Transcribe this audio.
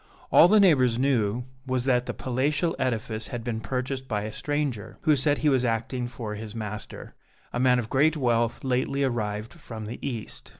All the neighbors knew was that the palatial edifice had been purchased by a stranger, who said he was acting for his master, a man of great wealth lately arrived from the east.